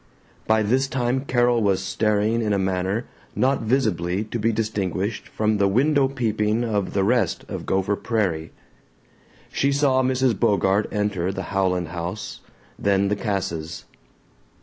By this time Carol was staring in a manner not visibly to be distinguished from the window peeping of the rest of Gopher Prairie. She saw Mrs. Bogart enter the Howland house, then the Casses'.